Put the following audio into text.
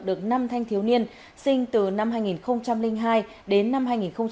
được năm thanh thiếu niên sinh từ năm hai nghìn hai đến năm hai nghìn tám